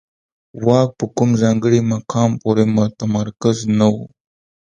واک په کوم ځانګړي مقام پورې متمرکز نه و